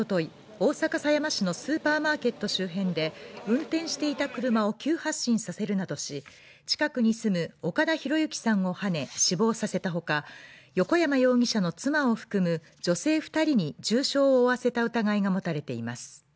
大阪狭山市のスーパーマーケット周辺で運転していた車を急発進させるなどし近くに住む岡田博行さんをはね死亡させたほか横山容疑者の妻を含む女性二人に重傷を負わせた疑いが持たれています